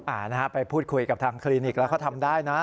อ่าฮะไปพูดคุยกับทางครีนิคแล้วก็ทำได้นะ